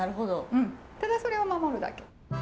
うんただそれを守るだけ！